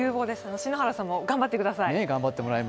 篠原さんも頑張ってください。